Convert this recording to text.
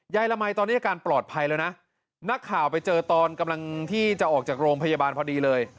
ละมัยตอนนี้อาการปลอดภัยแล้วนะนักข่าวไปเจอตอนกำลังที่จะออกจากโรงพยาบาลพอดีเลย